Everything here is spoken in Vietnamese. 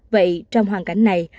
vậy trong hoàn cảnh này